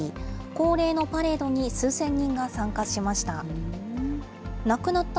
恒例のパレードに、数千人が参加しました。